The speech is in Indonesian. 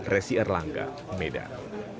resi erlangga medan